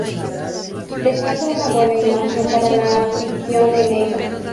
Dejando una buena imagen para la afición en Neiva.